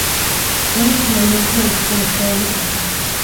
Era equivalente al actual estado de Acre.